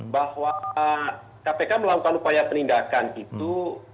bahwa kpk melakukan upaya penindakan itu